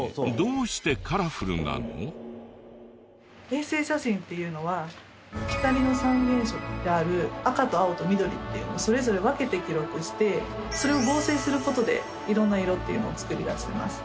衛星写真というのは光の三原色である赤と青と緑っていうのをそれぞれ分けて記録してそれを合成する事でいろんな色っていうのを作り出しています。